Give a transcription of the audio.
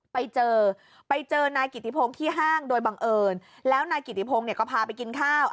ไปเจอไปเจอนายกิติพงศ์ที่ห้างโดยบังเอิญแล้วนายกิติพงศ์เนี่ยก็พาไปกินข้าว